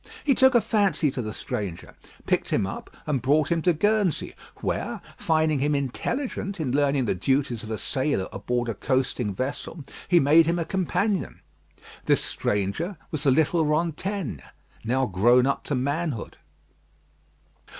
He took a fancy to the stranger, picked him up, and brought him to Guernsey, where, finding him intelligent in learning the duties of a sailor aboard a coasting vessel, he made him a companion. This stranger was the little Rantaine, now grown up to manhood.